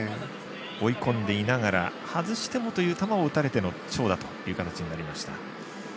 追い込んでいながら外してもという球を打たれての長打という形になりました。